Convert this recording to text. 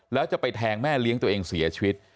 แล้วจะไปแทงแม่เลี้ยงตัวเองเสียชีวิต